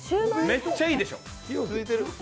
めっちゃいいでしょ？